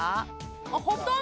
おっほとんど。